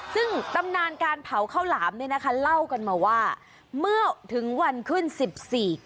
ซึ่งตำนานการเผาข้าวหลามเนี่ยนะคะเล่ากันมาว่าเมื่อถึงวันขึ้นสิบสี่